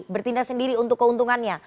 bertindak sendiri untuk keuntungannya